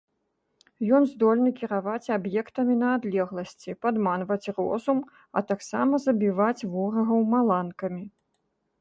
Ён здольны кіраваць аб'ектамі на адлегласці, падманваць розум, а таксама забіваць ворагаў маланкамі.